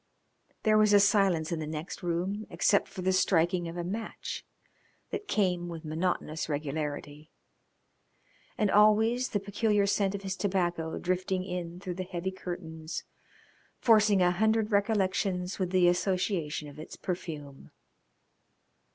There was silence in the next room except for the striking of a match that came with monotonous regularity. And always the peculiar scent of his tobacco drifting in through the heavy curtains, forcing a hundred recollections with the association of its perfume.